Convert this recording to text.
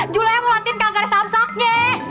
juleha mau latihan gak ada samsaknya